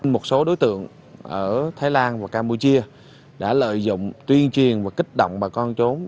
một số đối tượng ở thái lan và campuchia đã lợi dụng tuyên truyền và kích động bà con trốn